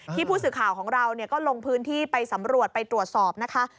ผู้สื่อข่าวของเราก็ลงพื้นที่ไปสำรวจไปตรวจสอบนะคะ